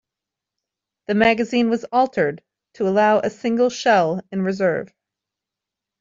The magazine was altered to allow a single shell in reserve.